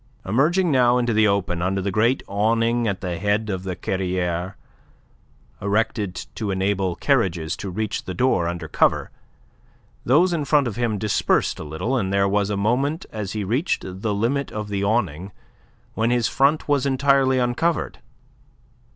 Emerging now into the open, under the great awning at the head of the Carriere, erected to enable carriages to reach the door under cover, those in front of him dispersed a little, and there was a moment as he reached the limit of the awning when his front was entirely uncovered.